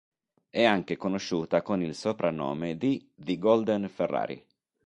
È anche conosciuta con il soprannome di "The Golden Ferrari".